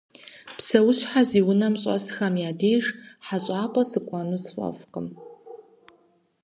Псэущхьэ зи унэ щӏэсхэм я деж хьэщӏапӏэ сыкӏуэну сфӏэфӏкъым.